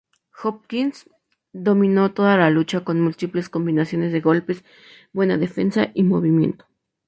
Hopkins dominó toda la lucha con múltiples combinaciones de golpes, buena defensa y movimiento.